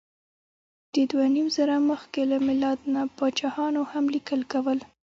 د دوهنیمزره مخکې له میلاد نه پاچاهانو هم لیکل کول.